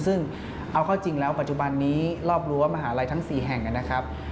ซึ่งเอาเข้าจริงแล้วปัจจุบันนี้รอบรั้วมหาลัยทั้ง๔แห่งนะครับ